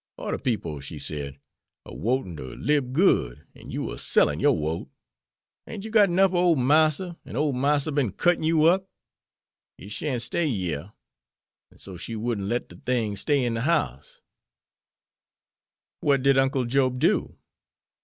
'Oder people,' she said, 'a wotin' ter lib good, an' you a sellin' yore wote! Ain't you got 'nuff ob ole Marster, an' ole Marster bin cuttin' you up? It shan't stay yere.' An' so she wouldn't let de things stay in de house." "What did Uncle Job do?"